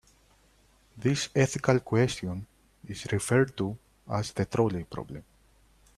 This ethical question is referred to as the trolley problem.